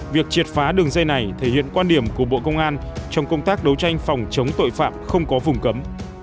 việc triệt phá đường dây này thể hiện quan điểm của bộ công an trong công tác đấu tranh phòng chống tội phạm không có vùng cấm